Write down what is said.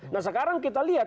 nah sekarang kita lihat